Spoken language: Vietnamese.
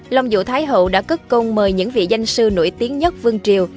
long vũ thái hậu đã cất công mời những vị danh sư nổi tiếng nhất vương triều